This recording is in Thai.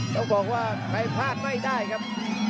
ต้องบอกว่าใครพลาดไม่ได้ครับ